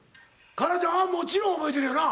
佳奈ちゃんはもちろん覚えてるよな？